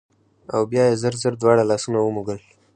او بيا يې زر زر دواړه لاسونه ومږل